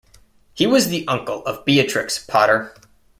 He was the uncle of Beatrix Potter.